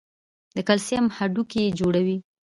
د کلسیم هډوکي جوړوي.